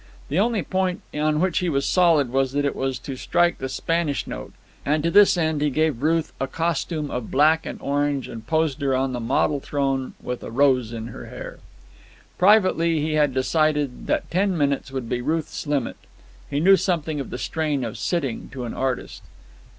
The only point on which he was solid was that it was to strike the Spanish note; and to this end he gave Ruth a costume of black and orange and posed her on the model throne with a rose in her hair. Privately he had decided that ten minutes would be Ruth's limit. He knew something of the strain of sitting to an artist.